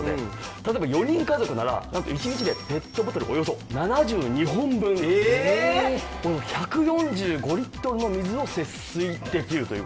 例えば４人家族ならなんと１日でペットボトルおよそ７２本分１４５リットルの水を節水できるという事。